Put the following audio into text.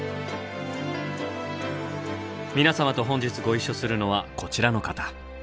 皆様と本日ご一緒するのはこちらの方。